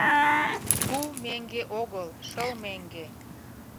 Пу меҥге огыл — шыл меҥге